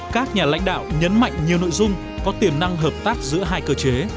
các nhà lãnh đạo nhấn mạnh nhiều nội dung có tiềm năng hợp tác giữa hai cơ chế